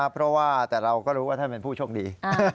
เพราะว่าแต่เราก็รู้ว่าท่านเป็นผู้โชคดี